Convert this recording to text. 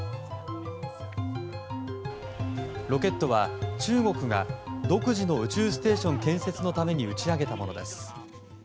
ロケットは中国が独自の宇宙ステーション建設のために打ち上げたものです。